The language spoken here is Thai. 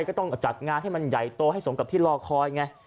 ก็ต้องจัดงานให้มันใหญ่โตให้สมกับที่รอคอยไง